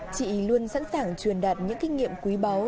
chị luôn sẵn sàng truyền đạt những kinh nghiệm quý báu